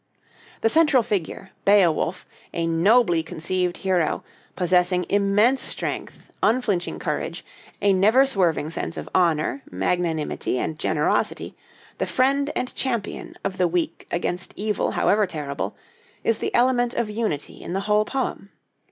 The central figure, Beowulf, a nobly conceived hero, possessing immense strength, unflinching courage, a never swerving sense of honor, magnanimity, and generosity, the friend and champion of the weak against evil however terrible, is the element of unity in the whole poem.